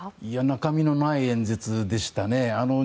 中身のない演説でしたね。